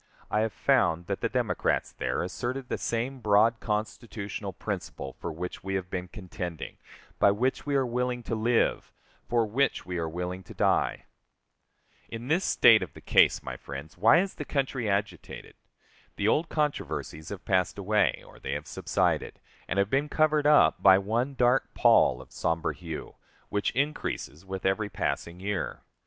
I have found that the Democrats there asserted the same broad constitutional principle for which we have been contending, by which we are willing to live, for which we are willing to die! In this state of the case, my friends, why is the country agitated? The old controversies have passed away, or they have subsided, and have been covered up by one dark pall of somber hue, which increases with every passing year.